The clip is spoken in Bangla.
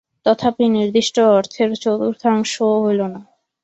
তথাপি নির্দিষ্ট অর্থের চতুর্থাংশও হইল না।